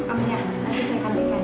oh ya nanti saya kasihkan